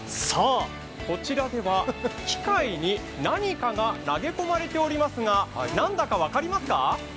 こちらでは機械に何かが投げ込まれておりますが何だか分かりますか？